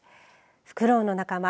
フクロウの仲間